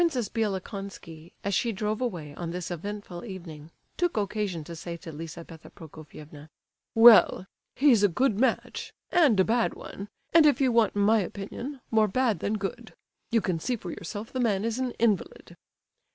Princess Bielokonski, as she drove away on this eventful evening, took occasion to say to Lizabetha Prokofievna: "Well—he's a good match—and a bad one; and if you want my opinion, more bad than good. You can see for yourself the man is an invalid."